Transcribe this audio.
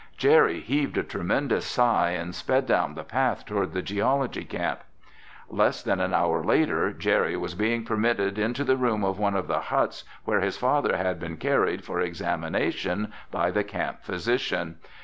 Jerry heaved a tremendous sigh and sped down the path toward the geology camp. Less than an hour later Jerry was being permitted into the room of one of the huts where his father had been carried for examination by the camp physician.